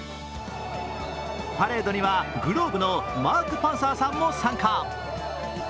パレードにはｇｌｏｂｅのマーク・パンサーさんも参加。